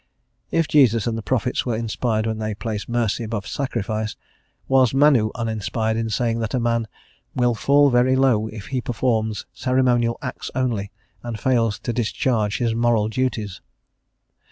If Jesus and the prophets were inspired when they placed mercy above sacrifice, was Manu uninspired in saying that a man "will fall very low if he performs ceremonial acts only, and fails to discharge his moral duties"?